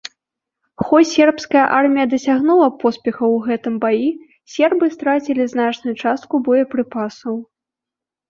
Хоць сербская армія дасягнула поспеху ў гэтым баі, сербы страцілі значную частку боепрыпасаў.